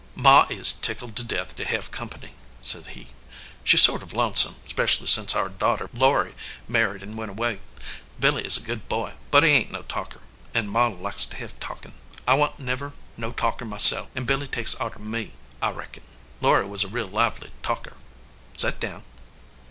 "Ma is tickled to death to hev comp ny," said he. "She s sort of lonesome, specially sence our daughter Laury married an went away. Billy is a good boy, but he ain t no talker, and Ma likes to hev talkin . I wa n t never no talker myself, an Billy takes arter me, I reckon. Laury was a real lively talker. Set down."